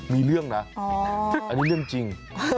มีเรื่องนะอันนี้เรื่องจริง